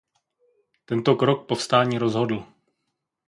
Tento krok povstání rozhodl.